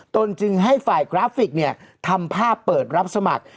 ตนจึงให้ฝ่ายกราฟิกทำภาพเปิดรับสมัคร